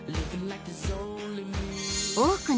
［多くの］